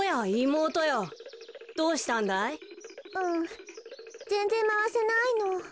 うんぜんぜんまわせないの。